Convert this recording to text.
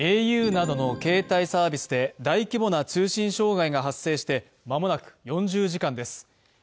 ａｕなどの携帯サービスで大規模な通信障害が発生して間もなく４０時間です。